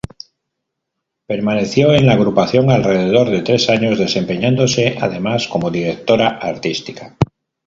Permaneció en la agrupación alrededor de tres años, desempeñándose además como directora artística.